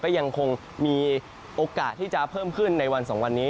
การเหมาะควันก็ยังคงมีโอกาสที่จะเพิ่มขึ้นในวันสองวันนี้